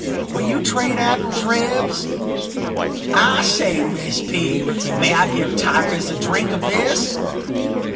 "Will you trade apples, Ribs?" "I say, Miss P., may I give Typus a drink of this?"